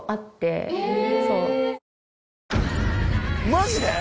マジで！？